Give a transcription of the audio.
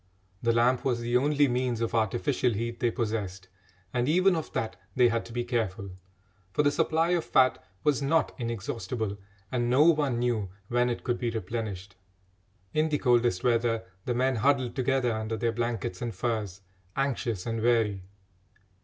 The lamp was the only means of artificial heat they possessed, and even of that they had to be careful, for the supply of fat was not inexhaustible, and no one knew when it could be replenished. In the coldest weather the men huddled together under their blankets and furs, anxious and weary.